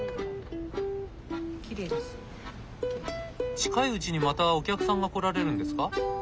近いうちにまたお客さんが来られるんですか？